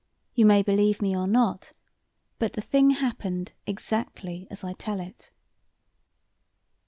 You may believe me or not, but the thing happened exactly as I tell it.